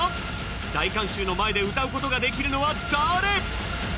大観衆の前で歌うことができるのは誰！？